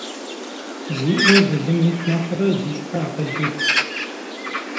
Зи Ӏуэ былым ит нэхърэ зи щхьэ акъыл ит.